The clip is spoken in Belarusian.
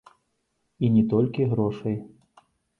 І не толькі грошай.